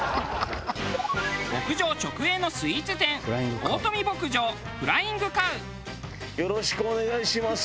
牧場直営のスイーツ店よろしくお願いします！